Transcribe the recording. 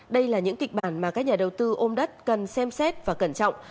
đây là những kịch bản mà các nhà đầu tư ôm đất cần xem xét và cẩn trọng